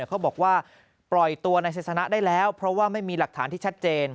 เขาบอกว่าปล่อยตัวในไซสนะได้แล้วเพราะว่าไม่มีหลักฐานที่ชัดเจน